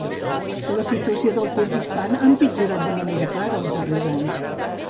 La situació al Kurdistan ha empitjorat de manera clara els darrers anys.